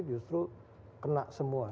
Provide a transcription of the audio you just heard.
justru kena semua